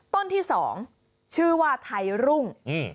ต้นที่๒ชื่อว่าไทยรุ่ง